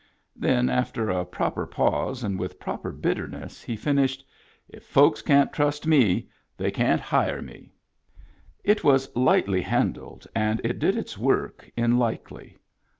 Then, after a proper pause and with proper bitterness, he finished :" If folks can't trust me they can't hire me." It was lightly handled, and it did its work in Likely.